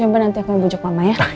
coba nanti aku ngebujuk mama ya